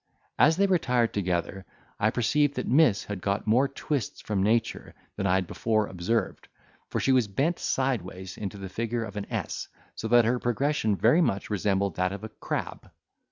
As they retired together, I perceived that Miss had got more twists from nature than I had before observed for she was bent sideways into the figure of an S, so that her progression very much resembled that of a crab.